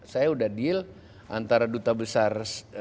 saya sudah deal antara duta besar